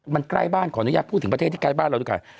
มันใกล้บ้านขออนุญาตพูดถึงประเทศที่ใกล้บ้านเราดูก่อน